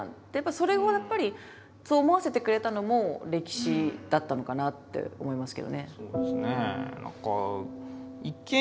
それをやっぱりそう思わせてくれたのも歴史だったのかなって思いますけどね。